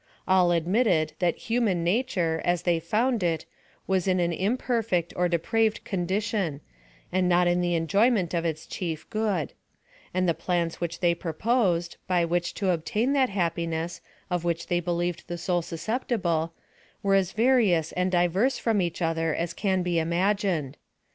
All admitted that human nature, as they found it, was in an imperfect or depraved con dition, and not in the enjoyment of its cliief good: and the plans which they proposed, by which to obtain that happiness, of which they believed the soul sdsctptible, were as various, and diverse from each other, as can be imagfined.